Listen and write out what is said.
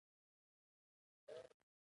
موږ باید د مقاومت تمرین وکړو.